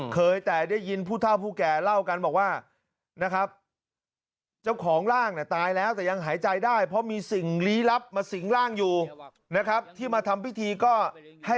เคยแต่ได้ยินผู้เฒ่าผู้แก่เล่ากันบอกว่า